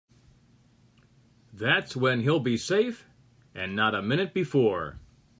That's when he'll be safe and not a minute before.